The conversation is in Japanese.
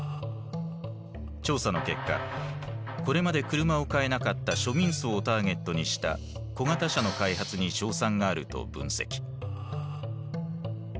調査の結果これまで車を買えなかった庶民層をターゲットにした小型車の開発に勝算があると分析。